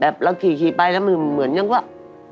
เราขี่ไปแล้วมันเหมือนยังว่า